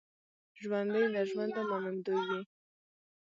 ژوندي له ژونده منندوی وي